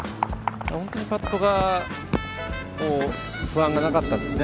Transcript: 本当にパットが不安がなかったんですね。